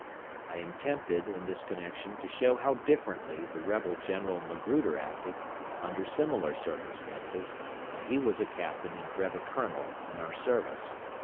I am tempted, in this connection, to show how differently the rebel general Magruder acted, under similar circumstances, when he was a captain and brevet colonel in our service.